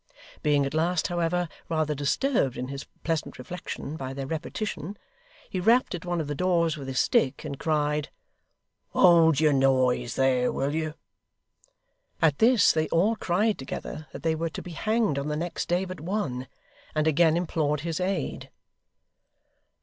Being at last, however, rather disturbed in his pleasant reflection by their repetition, he rapped at one of the doors with his stick, and cried: 'Hold your noise there, will you?' At this they all cried together that they were to be hanged on the next day but one; and again implored his aid.